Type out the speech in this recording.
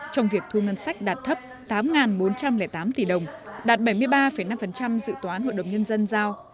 trong việc thu ngân sách đạt thấp tám bốn trăm linh tám tỷ đồng đạt bảy mươi ba năm dự toán hội đồng nhân dân giao